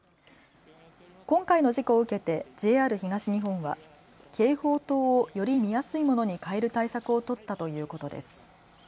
今回の事故を受けてＪＲ東日本は警報灯をより見やすいものに替える対策を取ったということです。